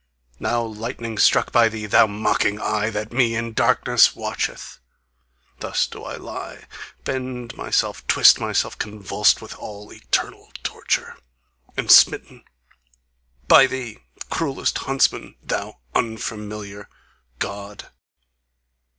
Now lightning struck by thee, Thou mocking eye that me in darkness watcheth: Thus do I lie, Bend myself, twist myself, convulsed With all eternal torture, And smitten By thee, cruellest huntsman, Thou unfamiliar GOD...